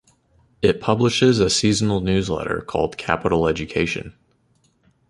It publishes a seasonal newsletter called "Capital Education".